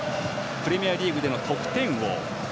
プレミアリーグでの得点王。